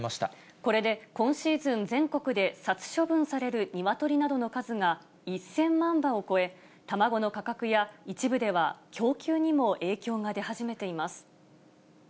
これで今シーズン、全国で殺処分されるニワトリなどの数が１０００万羽を超え、卵の価格や、一部では供給にも影響が出始めています。